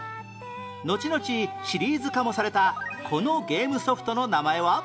のちのちシリーズ化もされたこのゲームソフトの名前は？